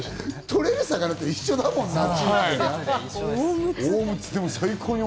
取れる魚って一緒だもんな。